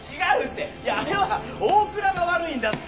あれは大倉が悪いんだって。